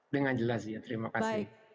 dengan jelas ya terima kasih